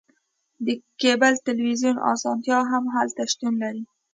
د کیبل تلویزیون اسانتیا هم هلته شتون لري